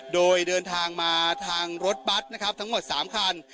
โดยเดินทางมาทางรถบัตรนะครับทั้งหมด๓คัน